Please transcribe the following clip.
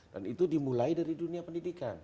dan itu dimulai dari dunia pendidikan